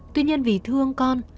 tuy nhiên vì thương con